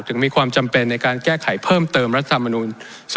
มีความจำเป็นในการแก้ไขเพิ่มเติมรัฐธรรมนูล๒๕๖